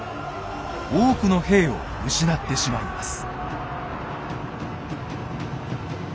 多くの兵を失ってしまいます。